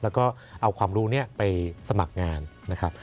แล้วก็เอาความรู้ไปสมัครงานนะครับ